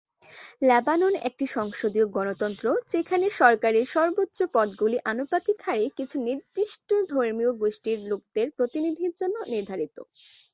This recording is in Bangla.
লেবানন একটি সংসদীয় গণতন্ত্র যেখানে সরকারের সর্বোচ্চ পদগুলি আনুপাতিক হারে কিছু নির্দিষ্ট ধর্মীয় গোষ্ঠীর লোকদের প্রতিনিধির জন্য নির্ধারিত।